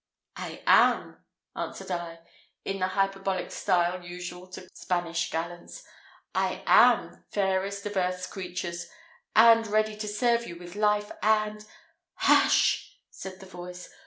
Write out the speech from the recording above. "I am," answered I, in the hyperbolic style usual to Spanish gallants, "I am, fairest of earth's creatures! and ready to serve you with life and " "Hush!" said the voice.